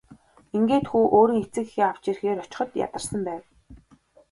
Ингээд хүү өөрийн эцэг эхээ авч ирэхээр очиход ядарсан байв.